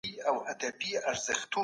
تاسو باید هره ورځ نوي کلمات زده کړئ.